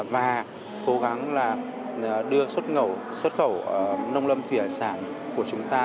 và cố gắng là đưa xuất khẩu nông lâm thủy hải sản của chúng ta